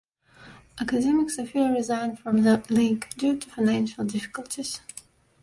Academic Sofia resigned from the league due to financial difficulties.